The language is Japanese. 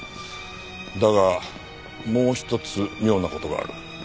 だがもう一つ妙な事がある。